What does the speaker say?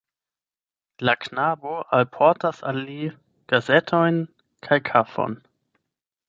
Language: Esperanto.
La knabo alportas al li gazetojn kaj kafon.